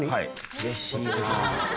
うれしいな。